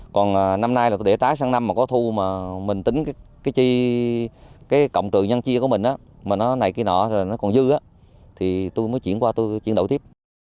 còn năm nay là để tái sang năm mà có thu mà mình tính cái cộng trừ nhân chia của mình á mà nó này cái nọ rồi nó còn dư á thì tôi mới chuyển qua tôi chuyển đổi tiếp